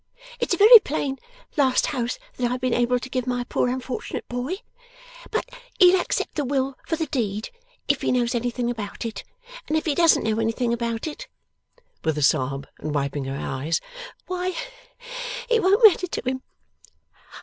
It's a very plain last house that I have been able to give my poor unfortunate boy; but he'll accept the will for the deed if he knows anything about it; and if he doesn't know anything about it,' with a sob, and wiping her eyes, 'why, it won't matter to him.